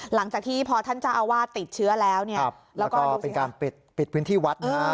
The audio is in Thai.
หลังจากที่พอท่านจาอาวาตติดเชื้อแล้วเป็นการปิดพื้นที่วัดนะ